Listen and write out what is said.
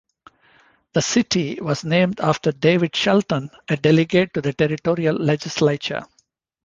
The city was named after David Shelton, a delegate to the territorial legislature.